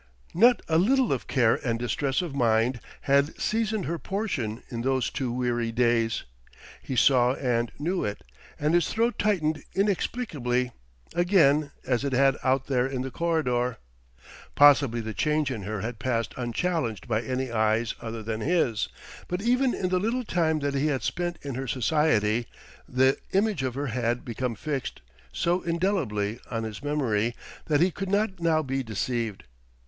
Not a little of care and distress of mind had seasoned her portion in those two weary days. He saw and knew it; and his throat tightened inexplicably, again, as it had out there in the corridor. Possibly the change in her had passed unchallenged by any eyes other than his, but even in the little time that he had spent in her society, the image of her had become fixed so indelibly on his memory, that he could not now be deceived.